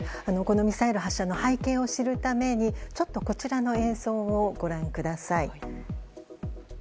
このミサイル発射の背景を知るためにこちらの映像をご覧ください。